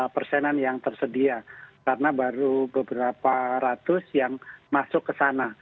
lima persenan yang tersedia karena baru beberapa ratus yang masuk ke sana